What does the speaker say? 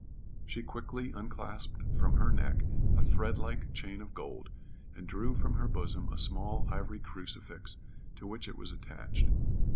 She quickly unclasped from her neck a threadlike chain of gold, and drew from her bosom a small ivory crucifix, to which it was attached.